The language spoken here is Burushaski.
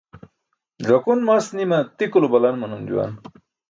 Ẓakun mast nima tikulo balan manum juwan.